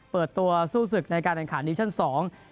เปิดตัวสู้ศึกในการแข่งขันดิวิชั่นสอง